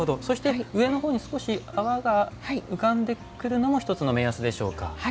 そして上の方に少し泡が浮かんでくるのも１つの目安でしょうか？